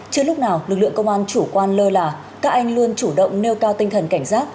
chưa lúc nào lực lượng công an chủ quan lơ là các anh luôn chủ động nêu cao tinh thần cảnh giác